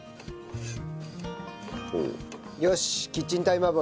よしキッチンタイマーボーイ。